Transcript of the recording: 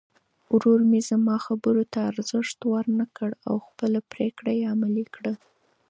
ورور مې زما خبرو ته ارزښت ورنه کړ او خپله پرېکړه یې عملي کړه.